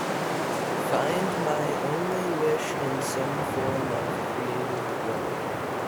Find My Only Wish in some form of creative work